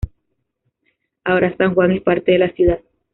Ahora San Juan es parte de la ciudad.